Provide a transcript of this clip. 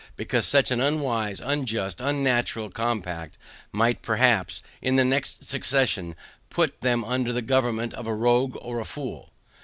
Because such an unwise, unjust, unnatural compact might (perhaps) in the next succession put them under the government of a rogue or a fool.